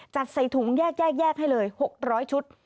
จัดใส่ถุงแยกให้เลย๖๐๐ชุด